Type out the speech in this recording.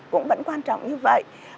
cũng vẫn quan trọng như vậy